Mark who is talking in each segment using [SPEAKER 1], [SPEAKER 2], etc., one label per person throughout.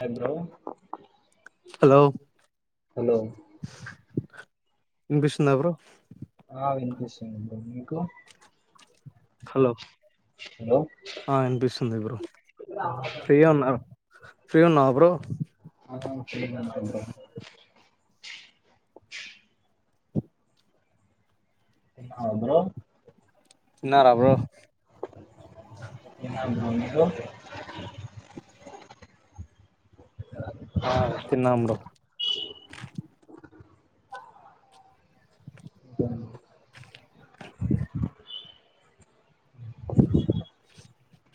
[SPEAKER 1] hi bro
[SPEAKER 2] hello
[SPEAKER 1] hello
[SPEAKER 2] ఇనిపిస్తుందా bro
[SPEAKER 1] ఆ వినిపిస్తుంది బ్రో మీకు
[SPEAKER 2] హలో
[SPEAKER 1] హలో
[SPEAKER 2] ఆ ఇనిపిస్తుంది బ్రో ఫ్రీగా ఉన్నార ఫ్రీ ఉన్నావ బ్రో
[SPEAKER 1] [unintelligible] హా లో
[SPEAKER 2] తిన్నారా బ్రో
[SPEAKER 1] అ
[SPEAKER 2] ఆ తిన్నాముడు
[SPEAKER 1] అ ఉహు
[SPEAKER 2] ప్చ్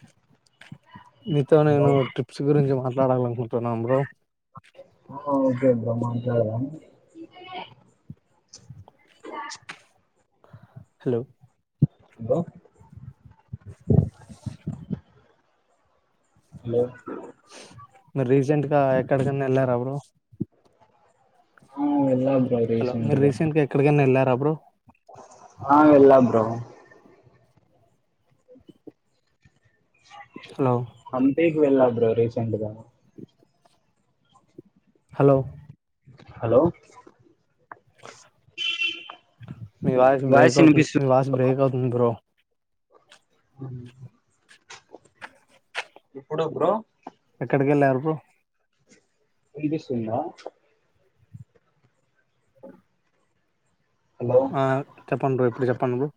[SPEAKER 2] మీతో
[SPEAKER 1] హలో
[SPEAKER 2] నేను ట్రిప్స్ గురించి మాత్ర తున్నా్ర బ్రో
[SPEAKER 1] ఓకే బ్ర్మా అంటద
[SPEAKER 2] హలో
[SPEAKER 1] హలో హలో
[SPEAKER 2] మీరు రీసెంట్గా ఎక్కడికన్నా వెళ్ళారు ఎవరు
[SPEAKER 1] అవును ఇలా
[SPEAKER 2] హలో మీరు రీసెంట్ గా ఎక్కడికైనా వెళ్లా ర
[SPEAKER 1] ఆ వెలా బ్రో
[SPEAKER 2] హలో
[SPEAKER 1] అ ఈగ వెల్బ్ రీసెంట్ దగా
[SPEAKER 2] హలో
[SPEAKER 1] హలో
[SPEAKER 2] మీ వాస్
[SPEAKER 1] వాయిస్
[SPEAKER 2] బ్రేక్ అవుతుంది
[SPEAKER 1] వినిపిస్తు
[SPEAKER 2] మీ వాస్ బ్రేక్ అవుతుంది బ్రో
[SPEAKER 1] ఎప్పుడ బ్రో
[SPEAKER 2] ఎక్కడికి వెళ్ళారు బ
[SPEAKER 1] ఎ తెస్తుంద
[SPEAKER 2] ఆ
[SPEAKER 1] హలో
[SPEAKER 2] ఆ చెప్పం ఇప్పుడు చెప్పంరు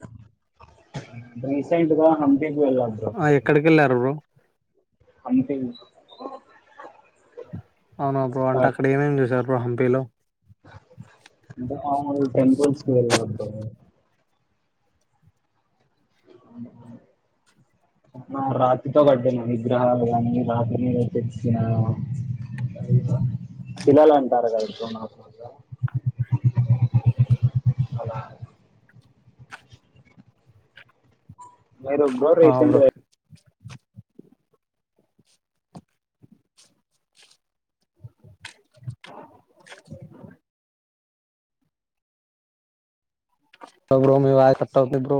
[SPEAKER 1] రీసట్గా
[SPEAKER 2] ఆ ఎక్కడికి వెళ్ళారు బ్రో
[SPEAKER 1] అంట
[SPEAKER 2] అవును బ్రో అంటే అక్కడ ఏమేం చూశారు ప్పు హమ్పిేలో
[SPEAKER 1] అంట టెంపుల్స్కి వెళ్ళ రాత్రితో కట్టినా విగ్రహాలు కానీ రాత్రి మీద తెచ్చినను శిలలు అంటారు కదా నా మీరు బ
[SPEAKER 2] ఆ
[SPEAKER 1] రీసెంట్
[SPEAKER 2] బ్రో సబ్రో మీ వాయిసు కట్టాబ్రో